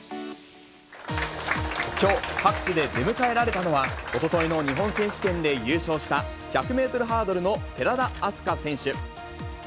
きょう、拍手で出迎えられたのは、おとといの日本選手権で優勝した、１００メートルハードルの寺田明日香選手。